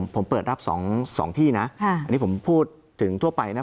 ผมเปิดรับ๒ที่นะอันนี้ผมพูดถึงทั่วไปนะ